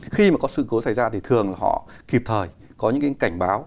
khi mà có sự cố xảy ra thì thường là họ kịp thời có những cái cảnh báo